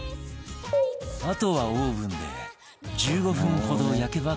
あとはオーブンで１５分ほど焼けば完成